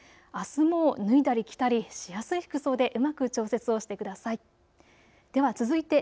あすも脱いだり着たりしやすい服装でうまく調節をしてください。